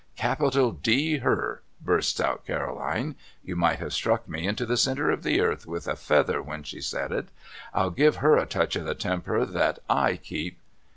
Capital D her !' bursts out Caroline (you might have struck me into the centre of the earth with a feather when she said it) ' I'll give her a touch of the temper that / keep